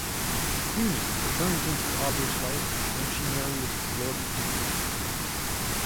Queeney returns into Aubrey's life when she marries Lord Keith.